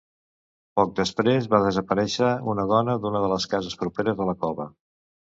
Poc després, va desaparèixer una dona d'una de les cases properes a la cova.